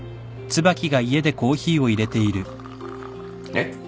えっ？